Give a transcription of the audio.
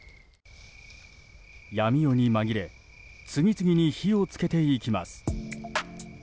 闇夜に紛れ次々に火を付けていきます。